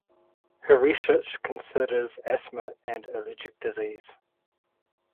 Her research considers asthma and allergic disease.